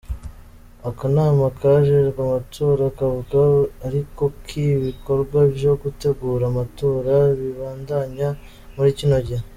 Akanama kajejwe amatora kavuga ariko kw'ibikorwa vyo gutegura amatora bibandanya muri kino gihe.